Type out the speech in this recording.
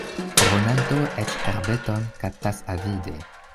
Dronanto eĉ herbeton kaptas avide.